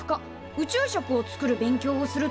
宇宙食を作る勉強をするとこだ。